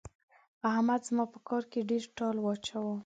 احمد زما په کار کې ډېر ټال واچاوو.